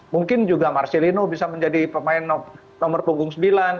mungkin juga marcelino bisa menjadi pemain nomor punggung sembilan